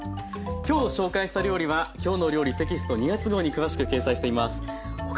今日紹介した料理は「きょうの料理」テキスト２月号に詳しく掲載しています。